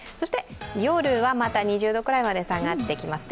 夜はまた２０度くらいまで下がってきます。